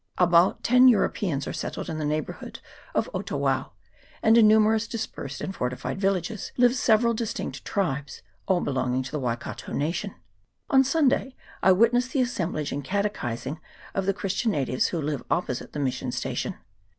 About ten Europeans are settled in the neigh bourhood of Otawao ; and in numerous dispersed and fortified villages live several distinct tribes, all belonging to the Waikato nation. On Sunday I witnessed the assemblage and catechizing of the Christian natives who live opposite the mission station.